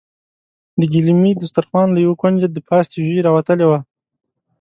د ګيلمي دسترخوان له يوه کونجه د پاستي ژۍ راوتلې وه.